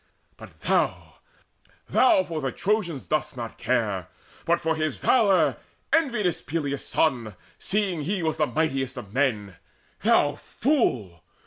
But thou thou for the Trojans dost not care, But for his valour enviedst Peleus' son, Seeing he was the mightest of all men. Thou fool!